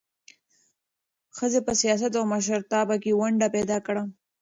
ښځې په سیاست او مشرتابه کې ونډه پیدا کړه.